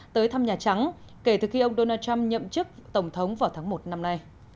tới thăm nhà trắng kể từ khi ông donald trump nhậm chức tổng thống vào tháng một năm nay